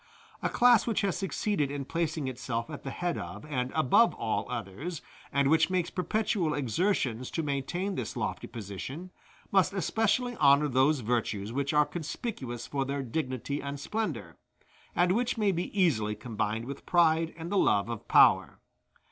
A class which has succeeded in placing itself at the head of and above all others, and which makes perpetual exertions to maintain this lofty position, must especially honor those virtues which are conspicuous for their dignity and splendor, and which may be easily combined with pride and the love of power.